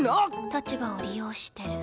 立場を利用してる。